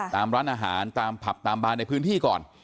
ตามร้านอาหารตามผับตามบานในพื้นที่ก่อน